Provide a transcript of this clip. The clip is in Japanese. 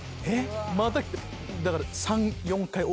また来てだから。